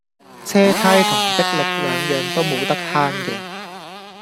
車呔同迫力兩樣都冇得慳嘅